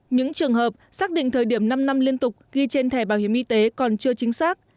những trường hợp xác định thời điểm năm năm liên tục ghi trên thẻ bảo hiểm y tế còn chưa chính xác